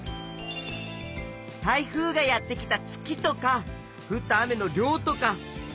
台風がやって来た月とかふった雨の量とか仲間分け